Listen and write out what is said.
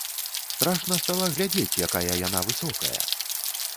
Страшна стала глядзець, якая яна высокая!